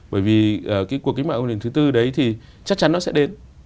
bởi vì cuộc cách mạng công nghiệp lần thứ tư đấy thì chắc chắn nó sẽ đến